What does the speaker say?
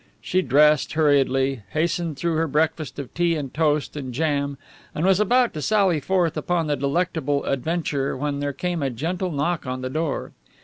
She dressed hurriedly, hastened through her breakfast of tea and toast and jam, and was about to sally forth upon the delectable adventure, when there came a gentle knock on the door.